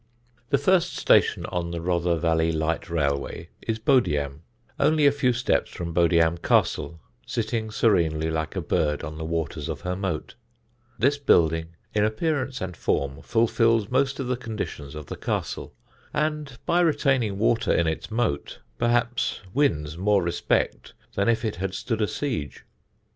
[Illustration: Bodiam Castle.] [Sidenote: BODIAM CASTLE] The first station on the Rother valley light railway is Bodiam, only a few steps from Bodiam Castle sitting serenely like a bird on the waters of her moat. This building in appearance and form fulfils most of the conditions of the castle, and by retaining water in its moat perhaps wins more respect than if it had stood a siege.